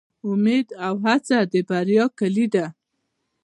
امید او هڅه د بریا کیلي ده